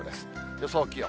予想気温。